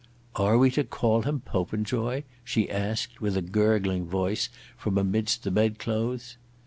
"Are we to call him Popenjoy?" she asked with a gurgling voice from amidst the bed clothes.